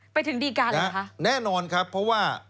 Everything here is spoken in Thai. ไปถึงดีการเหรอคะแน่นอนครับเพราะว่า